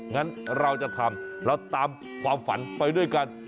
งั้นเราจะทำเราตามความฝันไปด้วยกัน